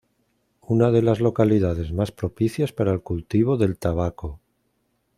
Una de las localidades más propicias para el cultivo del tabaco.